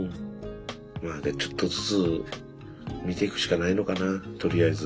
まあねちょっとずつ見ていくしかないのかなとりあえず。